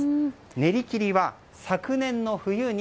練り切りは、昨年の冬に